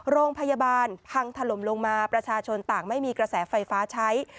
โรงพยาบาลพังถล่มลงมาประชาชนต่างไม่มีกระแสไฟฟ้าใช้